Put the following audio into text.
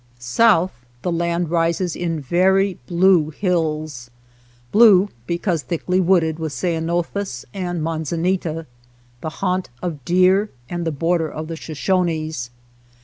South the land rises in very blue hills, blue because thickly wooded with ceano thus and manzanita, the haunt of deer and the border of the Shoshones.